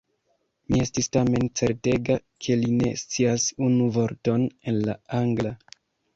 Mi estis tamen certega, ke li ne scias unu vorton el la Angla.